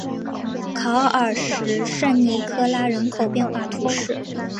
考尔什圣尼科拉人口变化图示